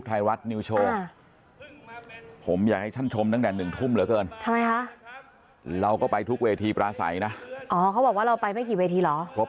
เรายังคู่มาได้สองหมื่นบาทใช้กันให้ทั่วหน้าครับพ่อแม่พี่น้อง